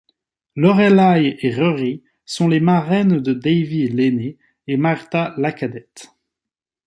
Lorelai et Rory sont les marraines de Davy l'aîné et Marta la cadette.